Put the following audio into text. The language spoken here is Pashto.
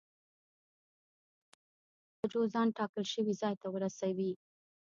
باید په شپږو بجو ځان ټاکل شوي ځای ته ورسوی.